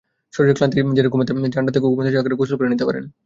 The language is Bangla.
শরীরের ক্লান্তি ঝেড়ে ঘুমাতে যানরাতে ঘুমাতে যাওয়ার আগে গোসল করে নিতে পারেন।